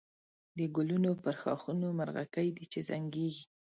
د گلونو پر ښاخونو مرغکۍ دی چی زنگېږی